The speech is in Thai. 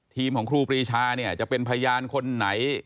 ของครูปรีชาเนี่ยจะเป็นพยานคนไหน